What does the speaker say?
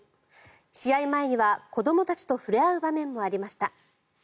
試合前には子どもたちと触れ合う場面もありました。